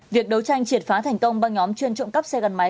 việc đấu tranh triệt phá thành công băng nhóm chuyên trộm cắp xe gắn máy